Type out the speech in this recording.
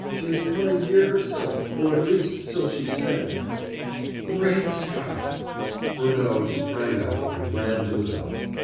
She is coming here herself, or, at least, so she said." "Great Scott!" Furneaux sprang up, and ran to the bell.